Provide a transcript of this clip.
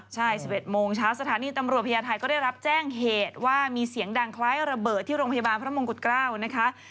ใช่๑๑โมงเช้าสถานีตำรวจพญาไทยก็ได้รับแจ้งเหตุว่ามีเสียงดังคล้ายระเบิดที่โรงพยาบาลพระมงกุฎเกล้านะคะ